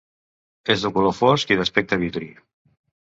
És de color fosc i d'aspecte vitri.